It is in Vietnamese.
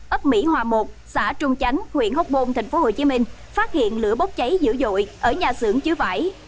ấp mỹ hòa một xã trung chánh huyện hóc môn tp hcm phát hiện lửa bốc cháy dữ dội ở nhà xưởng chứa vải